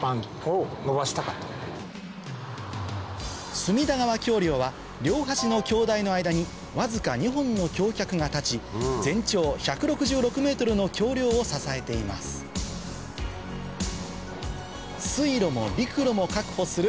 隅田川橋梁は両端の橋台の間にわずか２本の橋脚が立ち全長１６６ｍの橋梁を支えています水路も陸路も確保する